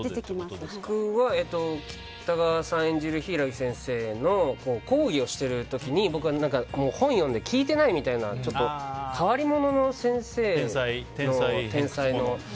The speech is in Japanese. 僕は北川さん演じる柊木先生の講義をしている時に僕は本を読んで聞いていないみたいな変わり者の先生で、天才の。